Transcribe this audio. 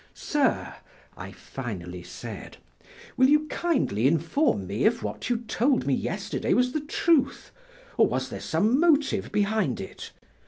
"Sir," I finally said, "will you kindly inform me if what you told me yesterday was the truth, or was there some motive behind it?